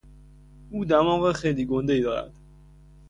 او دماغ خیلی گندهای دارد.